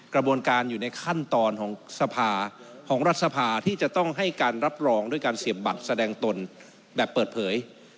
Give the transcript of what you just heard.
กระบวนการอยู่ในขั้นตอนของสภาของรัฐสภาที่จะต้องให้การรับรองด้วยการเสียบบัตรแสดงตนแบบเปิดเผย